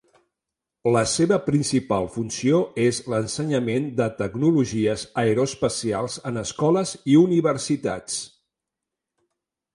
La seva principal funció és l'ensenyament de tecnologies aeroespacials en escoles i universitats.